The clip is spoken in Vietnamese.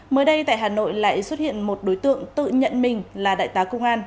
mới đây tại hà nội lại xuất hiện một đối tượng tự nhận mình là đại tá công an